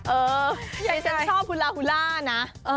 เออฉันชอบฮูลาฮูลานะ